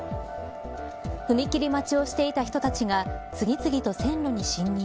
踏切待ちをしていた人たちが次々と線路に侵入。